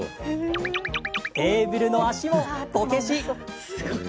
テーブルの脚も、こけし。